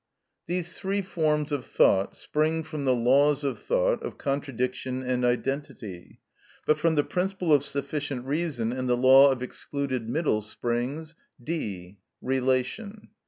These three forms of thought spring from the laws of thought of contradiction and identity. But from the principle of sufficient reason and the law of excluded middle springs— (d.) _Relation.